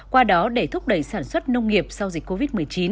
qua đó để thúc đẩy sản xuất nông nghiệp sau dịch covid một mươi chín